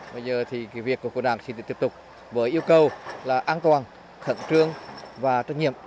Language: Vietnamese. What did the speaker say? bây giờ thì việc của quân đoàn sẽ tiếp tục với yêu cầu là an toàn khẩn trương và trách nhiệm